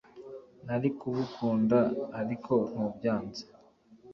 nari kugukunda; ariko, ntubyanze